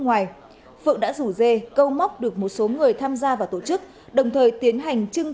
ngoài phượng đã rủ dê câu móc được một số người tham gia vào tổ chức đồng thời tiến hành trưng